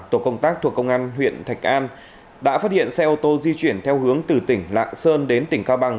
tổ công tác thuộc công an huyện thạch an đã phát hiện xe ô tô di chuyển theo hướng từ tỉnh lạng sơn đến tỉnh cao bằng